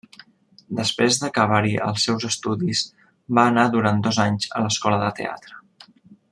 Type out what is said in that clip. Després d'acabar-hi els seus estudis, va anar durant dos anys a escola de teatre.